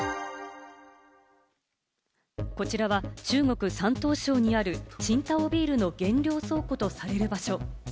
こちらは中国山東省にある青島ビールの原料倉庫とされる場所。